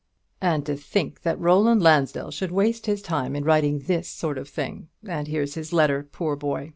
And to think that Roland Lansdell should waste his time in writing this sort of thing! And here's his letter, poor boy!